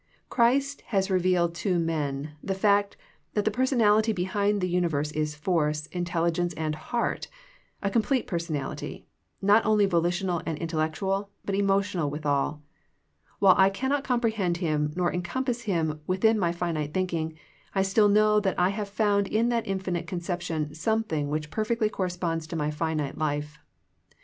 Christ has revealed to men the fact that the personality behind the universe is force, intelligence and heart, a complete personality, not only volitional and intellectual but emotional withal. While I cannot comprehend Him nor encompass Him within my finite thinking, I still know that I have found in that infinite concep tion something which perfectly corresponds to my finite life.